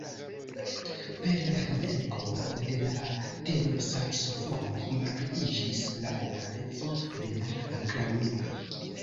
Per la venko de la tenorsaksofono malpliiĝis la populareco de la klarneto.